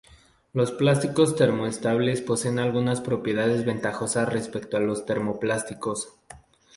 Los plásticos termoestables poseen algunas propiedades ventajosas respecto a los termoplásticos.